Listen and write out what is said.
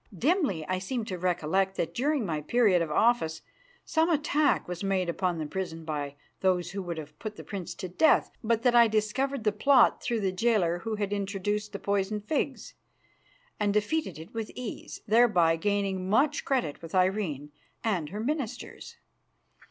Dimly I seem to recollect that during my period of office some attack was made upon the prison by those who would have put the prince to death, but that I discovered the plot through the jailer who had introduced the poisoned figs, and defeated it with ease, thereby gaining much credit with Irene and her ministers.